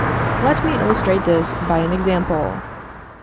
Let me illustrate this by an example.